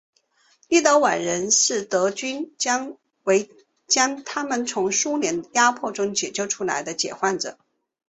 立陶宛人视德军为将他们从苏联的压迫中救出来的解放者。